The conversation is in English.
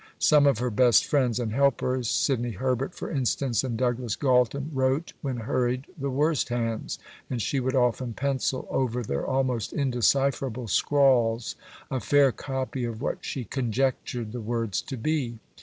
Some of her best friends and helpers Sidney Herbert, for instance, and Douglas Galton wrote, when hurried, the worst hands; and she would often pencil, over their almost indecipherable scrawls, a fair copy of what she conjectured the words to be.